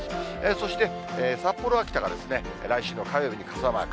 そして札幌、秋田が、来週の火曜日に傘マーク。